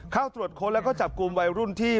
เข้าตรวจค้นแล้วก็จับกลุ่มวัยรุ่นที่